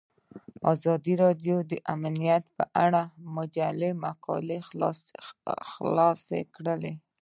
ازادي راډیو د امنیت په اړه د مجلو مقالو خلاصه کړې.